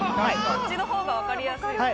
こっちの方がわかりやすい。